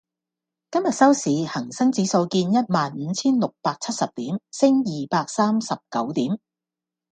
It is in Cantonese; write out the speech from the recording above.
今日收市，恒生指數見一萬五千六百七十點，升二百三十九點